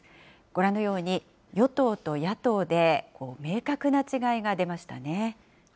ご覧のように、与党と野党で明確な違いが出ましたね。